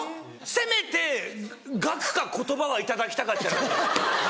せめて額か言葉は頂きたかった。